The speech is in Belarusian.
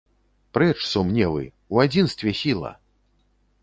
Прэч сумневы, у адзінстве сіла!